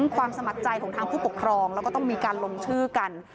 ความสมัครใจของทางผู้ปกครองแล้วก็ต้องมีการลงชื่อกัน